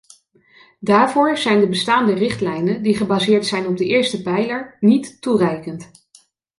Daarvoor zijn de bestaande richtlijnen, die gebaseerd zijn op de eerste pijler, niet toereikend.